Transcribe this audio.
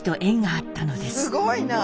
すごいな。